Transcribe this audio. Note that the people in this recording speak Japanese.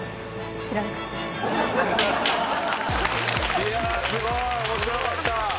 いやあすごい！面白かった。